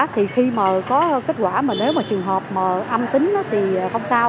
thì khi mà có kết quả mà nếu mà trường hợp mà âm tính thì không sao